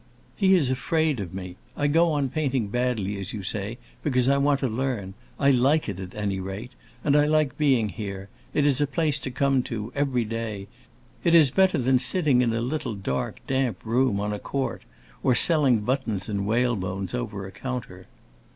"He is afraid of me. I go on painting badly, as you say, because I want to learn. I like it, at any rate. And I like being here; it is a place to come to, every day; it is better than sitting in a little dark, damp room, on a court, or selling buttons and whalebones over a counter."